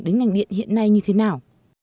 tình hình ảnh hưởng đến nành điện hiện nay như thế nào